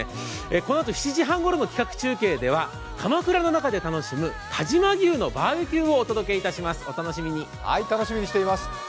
このあと７時半ごろの企画中継ではかまくらの中で楽しむ但馬牛のバーベキューをお届けします。